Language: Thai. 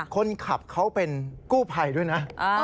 คนขับเขาเป็นกู้ภัยด้วยนะ